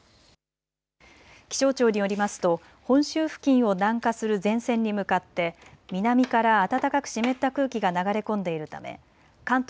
気象庁によりますと本州付近を南下する前線に向かって南から暖かく湿った空気が流れ込んでいるため関東